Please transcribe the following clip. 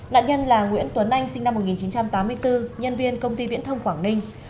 nạn nhân là nguyễn tuấn anh sinh năm một nghìn chín trăm tám mươi bốn nhân viên công ty viễn thông quảng ninh